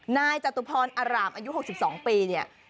นายจัตุพรอารามอายุ๖๒ปี